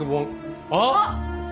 あっ！